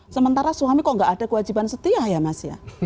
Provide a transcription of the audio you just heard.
sementara suami kok nggak ada kewajiban setia ya mas ya